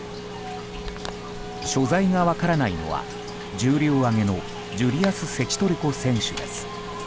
所在が分からないのは重量挙げのジュリアス・セチトレコ選手です。